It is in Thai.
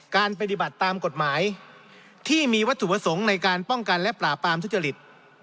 ปฏิบัติตามกฎหมายที่มีวัตถุประสงค์ในการป้องกันและปราบปรามทุจริต